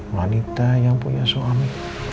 manita yang punya suami